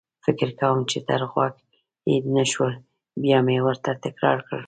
فکر کوم چې تر غوږ يې نه شول، بیا مې ورته تکرار کړل.